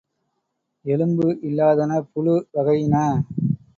எலும்பு இல்லாதன புழு வகையின.